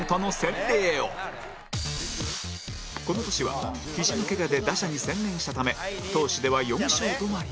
この年はひじのケガで打者に専念したため投手では４勝止まりも